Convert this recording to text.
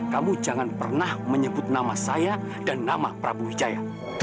kamu jangan pernah menyebut nama saya dan nama prabu wijaya